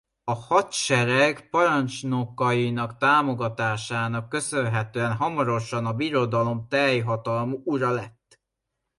A hadsereg parancsnokainak támogatásának köszönhetően hamarosan a birodalom teljhatalmú ura lett.